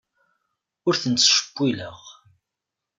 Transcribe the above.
Ur ten-ttcewwileɣ.